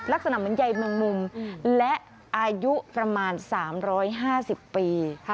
ลักษณะเหมือนใยแมงมุมและอายุประมาณ๓๕๐ปี